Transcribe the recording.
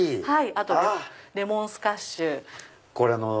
あとレモンスカッシュ。